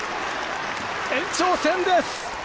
延長戦です！